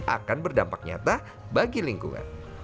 akan berdampak nyata bagi lingkungan